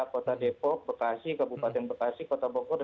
kota depok bekasi kabupaten bekasi kota bogor